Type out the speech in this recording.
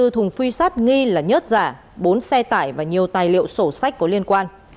một trăm ba mươi bốn thùng phi sát nghi là nhất giả bốn xe tải và nhiều tài liệu sổ sách có liên quan